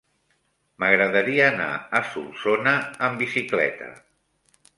M'agradaria anar a Solsona amb bicicleta.